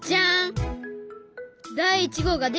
第１号が出来たよ。